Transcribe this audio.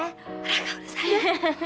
raka sudah sadar